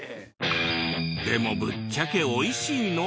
でもぶっちゃけおいしいの？